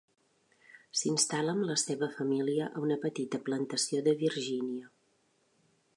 S'instal·la amb la seva família a una petita plantació de Virgínia.